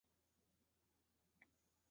在这里只是浪费时间